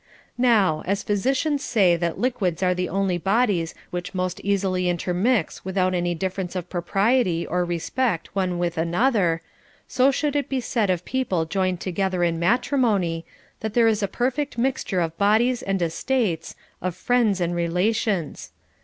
Now, as physicians say that liquids are the only bodies which most easily intermix without any differ ence of propriety or respect one with another ; so should it be said of people joined together in matrimony, that there is a perfect mixture of bodies and estates, of friends and relations.